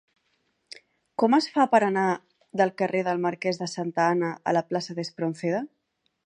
Com es fa per anar del carrer del Marquès de Santa Ana a la plaça d'Espronceda?